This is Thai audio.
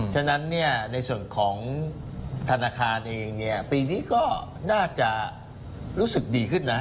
ฉะนั้นในส่วนของธนาคารเองปีนี้ก็น่าจะรู้สึกดีขึ้นนะ